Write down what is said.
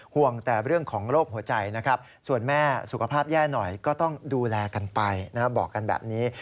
ห่วงแต่เรื่องของโรคหัวใจนะครับส่วนแม่สุขภาพแย่หน่อยก็ต้องดูแลกันไปบอกกันแบบนี้